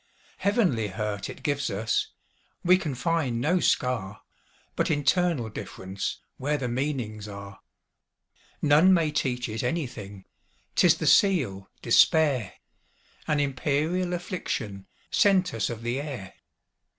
Heavenly hurt it gives us; We can find no scar, But internal differenceWhere the meanings are. None may teach it anything,'T is the seal, despair,—An imperial afflictionSent us of the air.